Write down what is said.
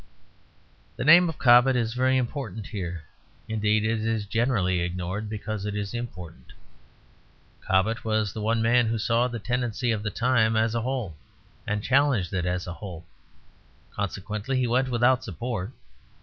The name of Cobbett is very important here; indeed it is generally ignored because it is important. Cobbett was the one man who saw the tendency of the time as a whole, and challenged it as a whole; consequently he went without support.